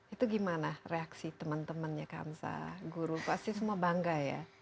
itu gimana reaksi temen temennya kamsa guru pasti semua bangga ya